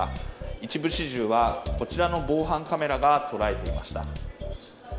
一部始終はこちらの防犯カメラが捉えていました。